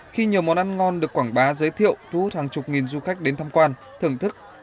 khi nhiều món ăn ngon được quảng bá giới thiệu thu hút hàng chục nghìn du khách đến tham quan thưởng thức